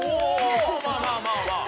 まあまあまあお！